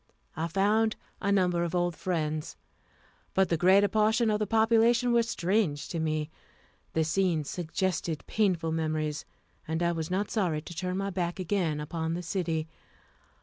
I found a number of old friends, but the greater portion of the population were strange to me. The scenes suggested painful memories, and I was not sorry to turn my back again upon the city.